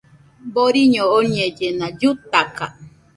Boriño oñellena, llutaka